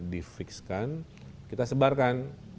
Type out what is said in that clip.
difikskan kita sebarkan